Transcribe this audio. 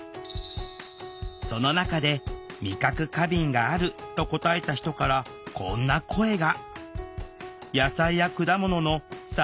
その中で「味覚過敏がある」と答えた人からこんな声が。